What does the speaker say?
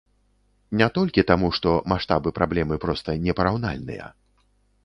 Не толькі таму, што маштабы праблемы проста непараўнальныя.